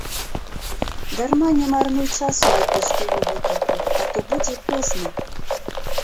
Дарма не марнуй часу на пустую гутарку, а то будзе позна.